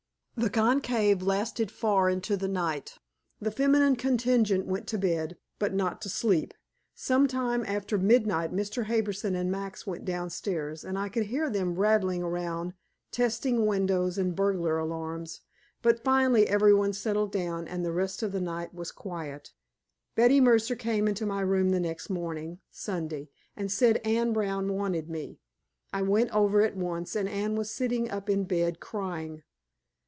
The conclave lasted far into the night. The feminine contingent went to bed, but not to sleep. Some time after midnight, Mr. Harbison and Max went downstairs and I could hear them rattling around testing windows and burglar alarms. But finally every one settled down and the rest of the night was quiet. Betty Mercer came into my room the next morning, Sunday, and said Anne Brown wanted me. I went over at once, and Anne was sitting up in bed, crying.